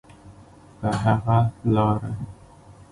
په هغه لاره.